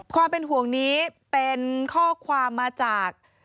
ความเป็นห่วงนี้เป็นข้อความมาจาก